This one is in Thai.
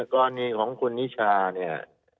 กรณีของคุณนิชาเนี่ย